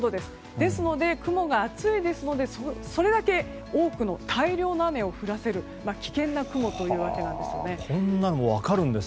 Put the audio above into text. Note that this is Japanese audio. ですので、雲が厚いですのでそれだけ多くの大量の雨を降らせる危険な雲というわけなんです。